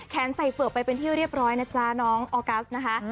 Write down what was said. ใส่เฝือกไปเป็นที่เรียบร้อยนะจ๊ะน้องออกัสนะคะ